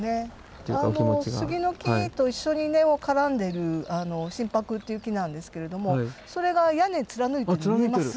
杉の木と一緒に根を絡んでる真柏っていう木なんですけれどもそれが屋根貫いてるの見えます？